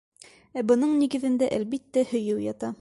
Ә бының нигеҙендә, әлбиттә, һөйөү ята.